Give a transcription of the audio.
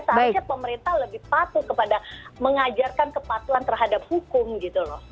seharusnya pemerintah lebih patuh kepada mengajarkan kepatuhan terhadap hukum gitu loh